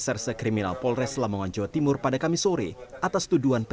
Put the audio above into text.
tersangka diancam pasal dua ratus delapan puluh sembilan kuhp